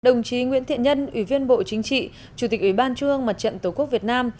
đồng chí nguyễn thiện nhân ủy viên bộ chính trị chủ tịch ủy ban trung ương mặt trận tổ quốc việt nam